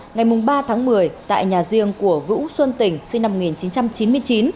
ngày ba tháng một mươi tại nhà riêng của vũ xuân tỉnh sinh năm một nghìn chín trăm chín mươi chín